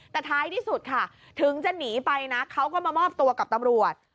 แต่ท้ายที่สุดค่ะถึงจะหนีไปนะเขาก็มามอบตัวกับตำรวจ